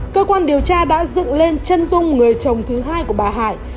cơ quan điều tra đã dựng lên chân dung người chồng thứ hai của bà hải